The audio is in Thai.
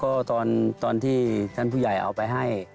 ก็ตอนที่ท่านผู้ใหญ่เอาไปให้